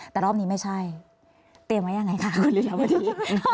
แต่รอบนี้ไม่ใช่เตรียมไว้ยังไงคะคุณลียวดี